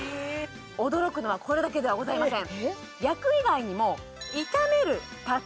驚くのはこれだけではございません